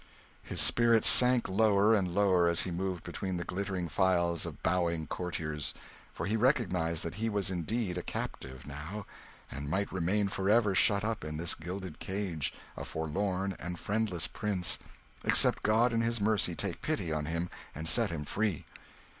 His spirits sank lower and lower as he moved between the glittering files of bowing courtiers; for he recognised that he was indeed a captive now, and might remain for ever shut up in this gilded cage, a forlorn and friendless prince, except God in his mercy take pity on him and set him free.